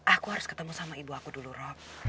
aku harus ketemu sama ibu aku dulu rob